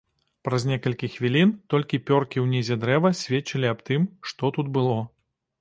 Праз некалькі хвілін толькі пёркі ў нізе дрэва сведчылі аб тым, што тут было.